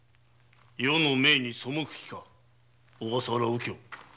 余の命に背く気か小笠原右京。